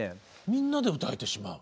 みんなで歌えてしまう。